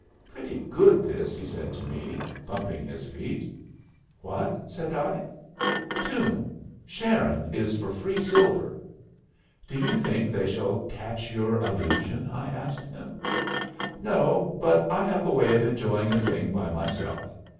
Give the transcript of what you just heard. "Pretty good this," he said to me, pumping his feet. "What?" I said. "Tune. Sharon is for free silver." "Do you think they will catch your allusion?" I asked him. "No. But I have a way of enjoying a thing by myself."